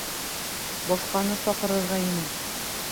Башҡаны саҡырырға ине!